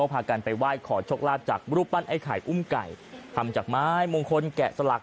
พากันไปไหว้ขอโชคลาภจากรูปปั้นไอ้ไข่อุ้มไก่ทำจากไม้มงคลแกะสลัก